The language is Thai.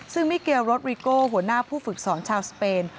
ซึ่งมิเกลรถริโก้หัวหน้าผู้ฝึกสอนชาวสเปน